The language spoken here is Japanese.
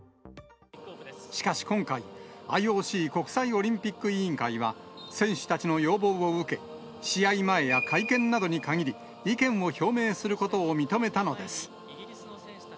しかし今回、ＩＯＣ・国際オリンピック委員会は、選手たちの要望を受け、試合前や会見などに限り、意見を表明することを認めたのです。